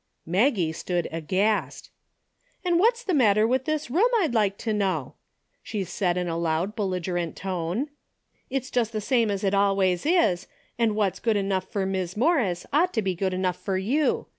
Maggie stood aghast. And what's the matter with this room, I'd like to know ?" she said in a loud, belligerent tone. '' It's just the same as it always is, and what's good enough fer Mis' Morris ought to be good enough fer you.